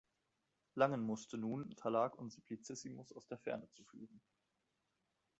Langen musste nun Verlag und "Simplicissimus" aus der Ferne zu führen.